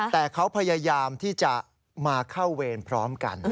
แต่เขาพยายามที่จะมาเข้าเวรพร้อมกัน